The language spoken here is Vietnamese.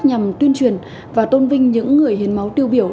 nhằm tuyên truyền và tôn vinh những người hiến máu tiêu biểu